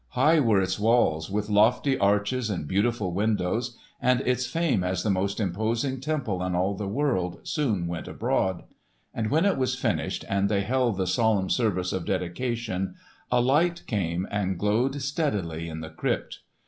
High were its walls, with lofty arches and beautiful windows, and its fame as the most imposing temple in all the world soon went abroad. And when it was finished and they held the solemn service of dedication, a light came and glowed steadily in the crypt.